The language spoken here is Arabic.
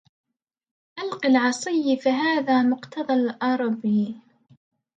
ألق العصي فهذا مقتضى الأرب